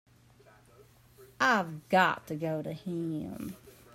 I've got to go to him.